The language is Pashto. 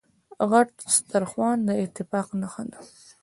غټ سترخوان داتفاق نښه ده.